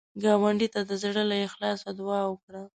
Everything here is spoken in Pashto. ګاونډي ته د زړه له اخلاص دعا وکړه